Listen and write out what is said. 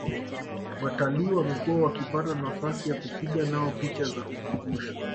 Watalii wamekuwa wakipata nafasi ya kupiga nao picha za ukumbusho